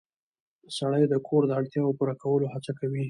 سړی د کور د اړتیاوو پوره کولو هڅه کوي